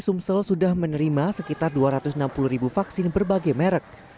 sumsel sudah menerima sekitar dua ratus enam puluh ribu vaksin berbagai merek